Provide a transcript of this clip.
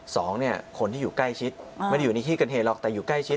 สองเนี่ยคนที่อยู่ใกล้ชิดไม่ได้อยู่ในที่เกิดเหตุหรอกแต่อยู่ใกล้ชิด